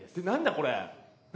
これ。